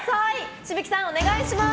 紫吹さん、お願いします。